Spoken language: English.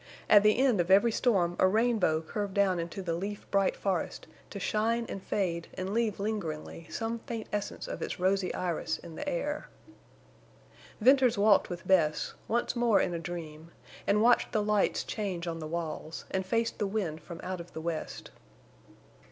At the end of every storm a rainbow curved down into the leaf bright forest to shine and fade and leave lingeringly some faint essence of its rosy iris in the air. Venters walked with Bess, once more in a dream, and watched the lights change on the walls, and faced the wind from out of the west.